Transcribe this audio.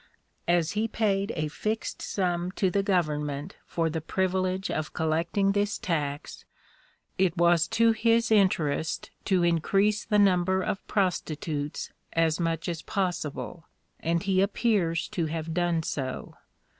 As he paid a fixed sum to the government for the privilege of collecting this tax, it was to his interest to increase the number of prostitutes as much as possible, and he appears to have done so.